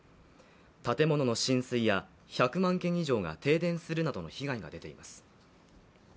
建物の浸水や１００万軒以上が停電するなどの被害が出ています。